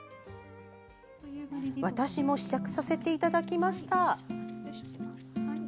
私も試着させていただきました。